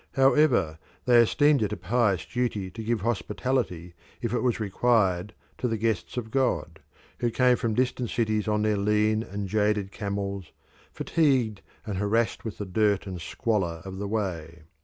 However, they esteemed it a pious duty to give hospitality if it was required to the "guests of God, who came from distant cities on their lean and jaded camels, fatigued and harassed with the dirt and squalor of the way."